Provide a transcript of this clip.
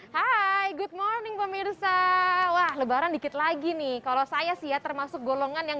hai good morning pemirsa wah lebaran dikit lagi nih kalau saya sih ya termasuk golongan yang